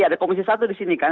ada komisi satu di sini kan